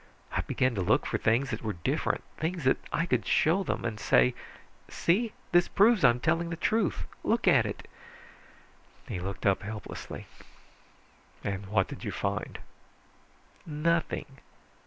I began to look for things that were different, things that I could show them, and say, see, this proves that I'm telling the truth, look at it " He looked up helplessly. "And what did you find?" "Nothing.